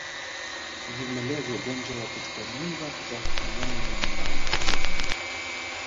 Vimelea vya ugonjwa wa kutupa mimba kutoka kwa mnyama mwenye maambukizi